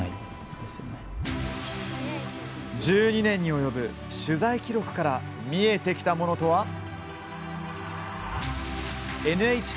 １２年に及ぶ取材記録から見えてきたものとは？